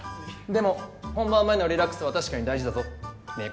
でも本番前のリラックスは確かに大事だぞねえ？